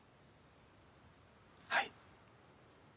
はい。